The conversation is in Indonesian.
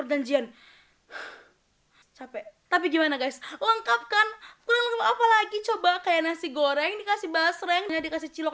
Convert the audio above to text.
capek tapi gimana guys lengkapkan apa lagi coba kayak nasi goreng dikasih basrengnya dikasih cilok